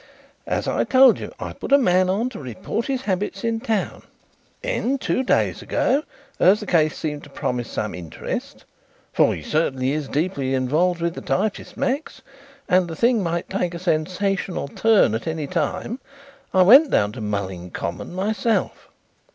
As I told you, I put a man on to report his habits in town. Then, two days ago, as the case seemed to promise some interest for he certainly is deeply involved with the typist, Max, and the thing might take a sensational turn at any time I went down to Mulling Common myself.